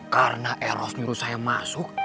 karena eros nyuruh saya masuk